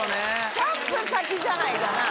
キャンプ先じゃないかな。